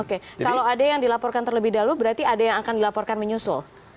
oke kalau ada yang dilaporkan terlebih dahulu berarti ada yang akan dilaporkan menyusul